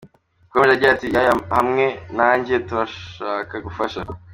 Yakomeje agira ati “ Yaya hamwe nanjye turashaka gufasha.